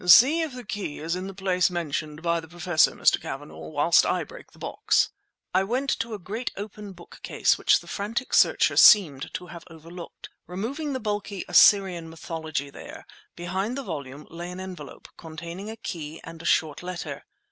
"See if the key is in the place mentioned by the Professor, Mr. Cavanagh, whilst I break the box." I went to a great, open bookcase, which the frantic searcher seemed to have overlooked. Removing the bulky "Assyrian Mythology," there, behind the volume, lay an envelope, containing a key, and a short letter.